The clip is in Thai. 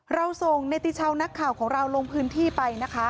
เราส่งเนติชาวนักข่าวของเราลงพื้นที่ไปนะคะ